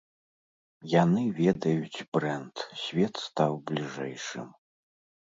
Яны ведаюць брэнд, свет стаў бліжэйшым.